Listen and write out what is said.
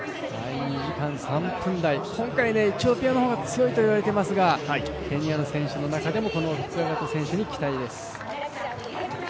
２時間３分台、今回エチオピアの方が強いといわれていますがケニアの選手の中でも、このキプラガト選手に期待です。